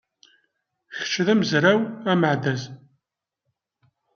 Kečč d amezraw ameɛdaz.